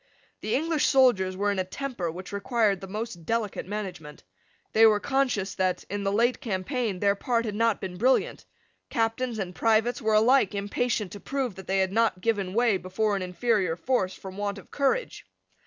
The English soldiers were in a temper which required the most delicate management. They were conscious that, in the late campaign, their part had not been brilliant. Captains and privates were alike impatient to prove that they had not given way before an inferior force from want of courage.